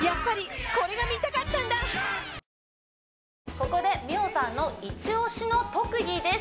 ここで美桜さんのイチ推しの特技です